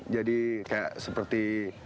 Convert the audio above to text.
jadi kayak seperti